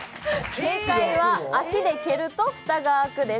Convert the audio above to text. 正解は、足で蹴ると蓋が開くです。